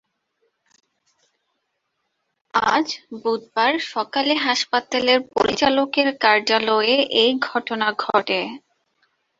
আজ বুধবার সকালে হাসপাতালের পরিচালকের কার্যালয়ে এ ঘটনা ঘটে।